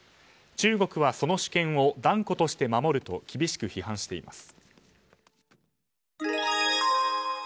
中国はその主権を断固として守ると厳しく批判しています。